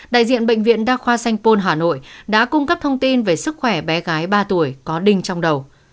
đại diện bệnh viện đa khoa sanh pôn hà nội đã cung cấp thông tin về sức khỏe bé gái ba tuổi có đinh trong đầu